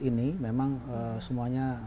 ini memang semuanya